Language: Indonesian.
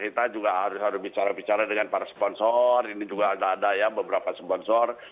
kita juga harus bicara bicara dengan para sponsor ini juga ada ada ya beberapa sponsor